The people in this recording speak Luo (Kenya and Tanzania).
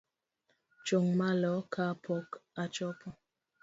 Chung' malo ka pok achopo